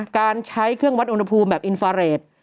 การใช้เครื่องวัดอุณหภูมิแบบอินฟาเรท